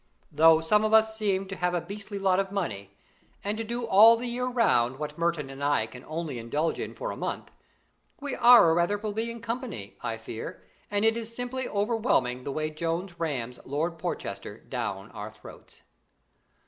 Though some of us seem to have a beastly lot of money, and to do all the year round what Merton and I can only indulge in for a month, we are a rather plebeian company I fear, and it is simply overwhelming the way Jones rams Lord Porchester down our throats.